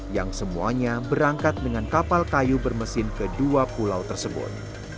yang semuanya berangkat dengan kapal kayu bermesin ke dua pulau tersebut